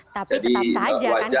tapi tetap saja kan